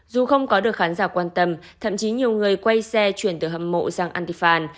dù không có được khán giả quan tâm thậm chí nhiều người quay xe chuyển từ hầm mộ sang antifan